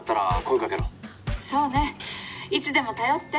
「そうねいつでも頼って。